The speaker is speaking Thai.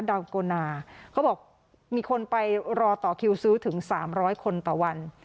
ดาวโกนาเขาบอกมีคนไปรอต่อคิวซื้อถึง๓๐๐คนต่อวัน